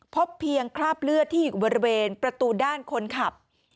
พบเพียงคราบเลือดที่อยู่บริเวณประตูด้านคนขับ